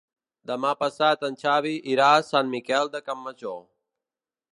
Demà passat en Xavi irà a Sant Miquel de Campmajor.